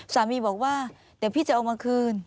สามีบอกว่าเดี๋ยวพี่จะเอามาคืน